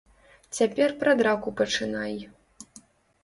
Цяпер пра драку пачынай.